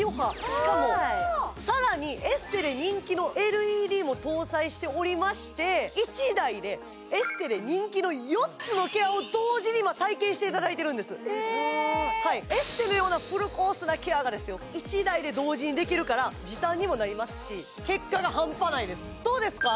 しかもさらにエステで人気のＬＥＤも搭載しておりまして１台でエステで人気の４つのケアを同時に今体験していただいてるんですエステのようなフルコースなケアが１台で同時にできるから時短にもなりますし結果が半端ないですどうですか？